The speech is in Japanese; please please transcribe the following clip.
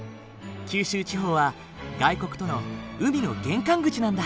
九州地方は外国との海の玄関口なんだ。